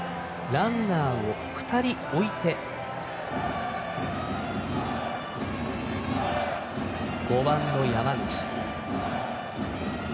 ランナーを２人置いて５番の山口。